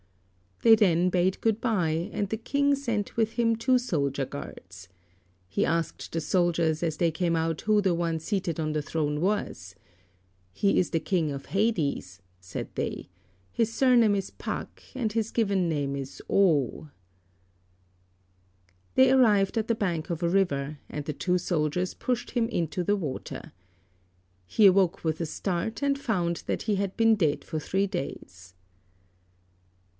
He then bade good bye, and the King sent with him two soldier guards. He asked the soldiers, as they came out, who the one seated on the throne was. "He is the King of Hades," said they; "his surname is Pak and his given name is Oo." They arrived at the bank of a river, and the two soldiers pushed him into the water. He awoke with a start, and found that he had been dead for three days.